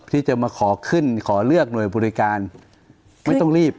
ที่จะมาขอขึ้นขอเลือกหน่วยบริการไม่ต้องรีบ